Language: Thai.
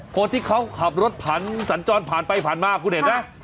คนที่เขาขับรถผ่านสัญจรผ่านไปผ่านมาคุณเห็นไหม